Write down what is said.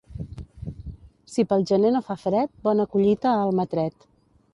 Si pel gener no fa fred, bona collita a Almatret.